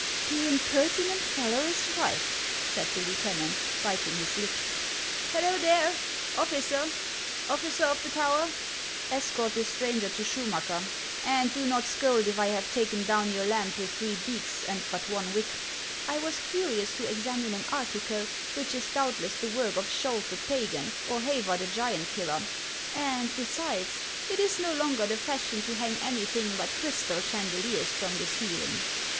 "The impertinent fellow is right," said the lieutenant, biting his lips. " Hullo, there, officer, officer of the tower ! Escort this stranger to Schumacker, and do not scold if I have taken down your lamp with three beaks and but one wick. I was curious to examine an article which is doubt less the work of Sciold the Pagan or Havar the giant killer ; and besides it is no longer the fashion to hang anything but crystal chandeliers from the ceiling."